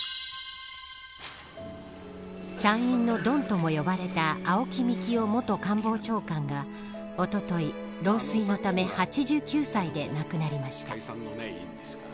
参院のドンとも呼ばれた青木幹雄元官房長官がおととい、老衰のため８９歳で亡くなりました。